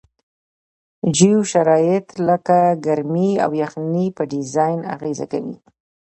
جوي شرایط لکه ګرمي او یخنۍ په ډیزاین اغیزه کوي